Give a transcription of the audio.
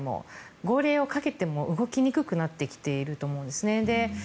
号令をかけても動きにくくなってきていると思うんです。